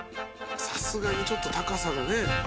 さすがにちょっと高さがね」